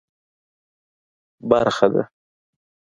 برخه ده.